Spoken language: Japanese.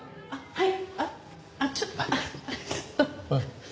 はい。